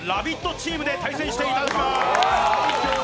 チームで対戦していただきます。